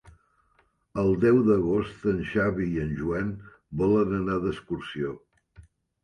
El deu d'agost en Xavi i en Joan volen anar d'excursió.